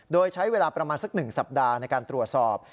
โดยใช้เวลาประมาณสัก๑สัปดาห์ในการตรวจสอบ